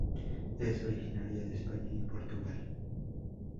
Es originaria de España y Portugal.